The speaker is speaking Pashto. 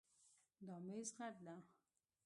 دا میز غټ ده